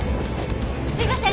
すいません